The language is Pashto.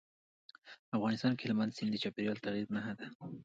افغانستان کې هلمند سیند د چاپېریال د تغیر نښه ده.